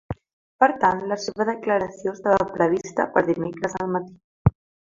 Per tant, la seva declaració estava prevista per dimecres al matí.